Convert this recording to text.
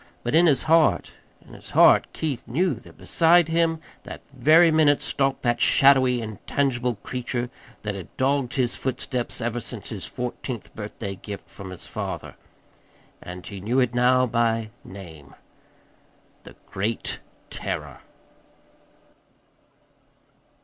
But in his heart in his heart Keith knew that beside him that very minute stalked that shadowy, intangible creature that had dogged his footsteps ever since his fourteenth birthday gift from his father; and he knew it now by name The Great Terror.